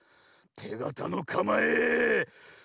てがたのかまえその１！